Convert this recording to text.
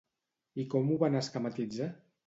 I com ho van esquematitzar?